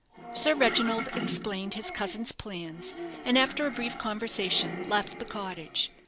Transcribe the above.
Sir Reginald explained his cousin's plans, and after a brief conversation left the cottage.